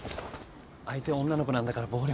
相手は女の子なんだから暴力はちょっと。